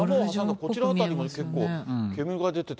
こちら辺りも結構、煙が出てて。